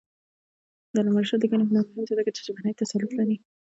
د علامه رشاد لیکنی هنر مهم دی ځکه چې ژبنی تسلط لري.